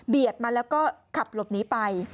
เบียดมาแล้วก็ขับแหลมรถหนีไป